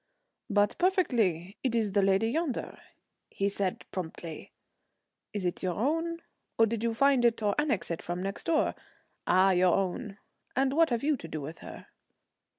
"But perfectly. It is the lady yonder," he said promptly. "Is it your own, or did you find it or annex it from next door? Ah, your own; and what have you to do with her?"